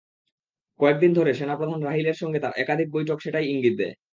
কয়েক দিন ধরে সেনাপ্রধান রাহিলের সঙ্গে তাঁর একাধিক বৈঠক সেটারই ইঙ্গিত দেয়।